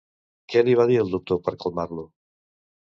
Què li va dir el doctor per calmar-lo?